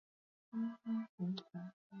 Portua maiatzetik abendura egoten da irekita.